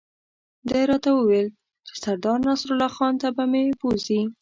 ده راته وویل چې سردار نصرالله خان ته به مې بوزي.